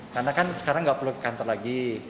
karena kan sekarang gak perlu ke kantor lagi